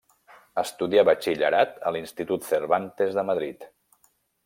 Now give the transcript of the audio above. Estudià Batxillerat a l'institut Cervantes de Madrid.